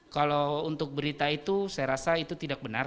kalau untuk berita itu saya rasa itu tidak benar